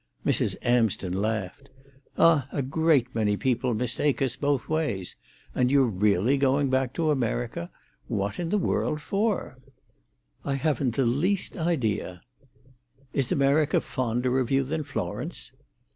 Mrs. Amsden laughed. "Ah, a great many people mistake us, both ways. And you're really going back to America. What in the world for?" "I haven't the least idea." "Is America fonder of you than Florence?"